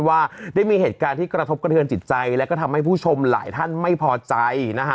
ว่าได้มีเหตุการณ์ที่กระทบกระเทือนจิตใจแล้วก็ทำให้ผู้ชมหลายท่านไม่พอใจนะฮะ